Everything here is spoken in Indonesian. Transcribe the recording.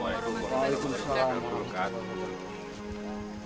assalamualaikum warahmatullahi wabarakatuh